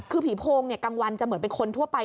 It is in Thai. คือผีโพงกลางวันจะเหมือนเป็นคนทั่วไป